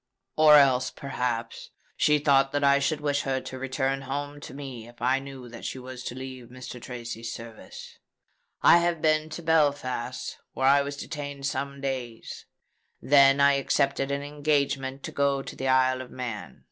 Or else, perhaps, she thought that I should wish her to return home to me if I knew that she was to leave Mr. Tracy's service. I have been to Belfast where I was detained some days: then I accepted an engagement to go to the Isle of Man.